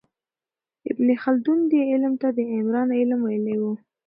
ابن خلدون دې علم ته د عمران علم ویلی و.